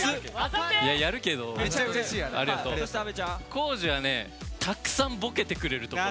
康二はねたくさんボケてくれるところ。